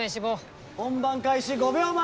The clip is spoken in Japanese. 本番開始５秒前。